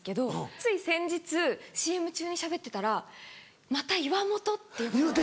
つい先日ＣＭ中にしゃべってたらまた「岩本」って呼ばれて。